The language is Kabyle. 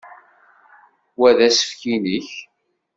Wa d asefk i nekk?